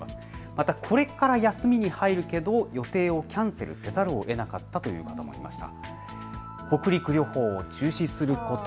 またこれから休みに入るけど予定をキャンセルせざるをえなかったという方もいました。